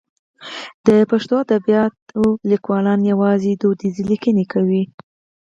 د پښتو ادبیاتو لیکوالان یوازې دودیزې لیکنې کوي.